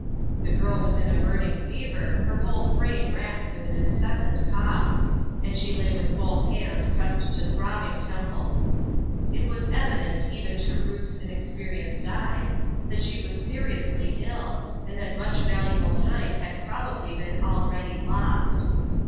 The girl was in a burning fever, her whole frame racked with an incessant cough ; and she lay with both hands pressed to throbbing temples. It was evident, even to Ruth's inexperi enced eyes, that she was seriously ill, and that much valuable time had probably been already lost.